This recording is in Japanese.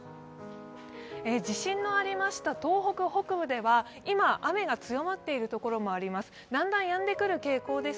地震のありました東北北部では、今、雨が強まっている所もあります